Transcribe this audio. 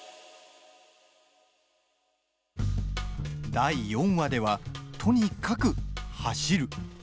第４話では、とにかく走る。